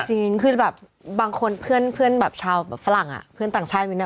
จริงคือแบบบางคนเพื่อนชาวฝรั่งเพื่อนต่างชายมีนะ